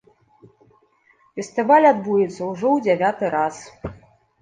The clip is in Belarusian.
Фестываль адбудзецца ўжо ў дзявяты раз.